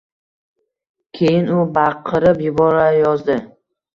Keyin u baqirib yuborayozdi